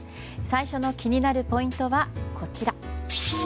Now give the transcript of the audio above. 最初の気になるポイントはこちら。